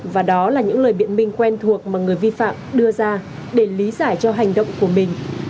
và đó là những lời biện minh quen thuộc mà người vi phạm đưa ra để lý giải cho hành động của mình